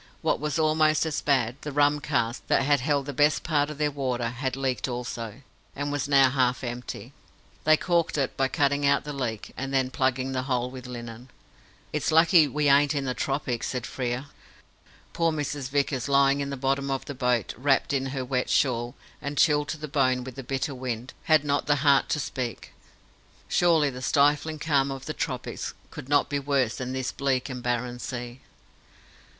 What was almost as bad, the rum cask, that held the best part of their water, had leaked also, and was now half empty. They caulked it, by cutting out the leak, and then plugging the hole with linen. "It's lucky we ain't in the tropics," said Frere. Poor Mrs. Vickers, lying in the bottom of the boat, wrapped in her wet shawl, and chilled to the bone with the bitter wind, had not the heart to speak. Surely the stifling calm of the tropics could not be worse than this bleak and barren sea.